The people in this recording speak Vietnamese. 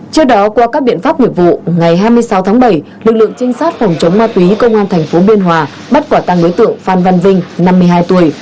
trước đó qua các biện pháp nghiệp vụ ngày hai mươi sáu tháng bảy lực lượng trinh sát phòng chống ma túy công an tp biên hòa bắt quả tăng đối tượng phan văn vinh năm mươi hai tuổi